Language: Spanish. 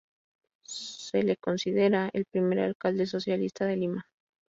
Se le considera el primer alcalde socialista de Lima.